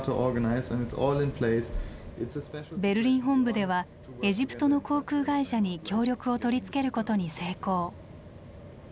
ベルリン本部ではエジプトの航空会社に協力を取り付けることに成功。